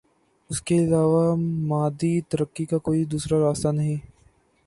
اس کے علاوہ مادی ترقی کا کوئی دوسرا راستہ نہیں ہے۔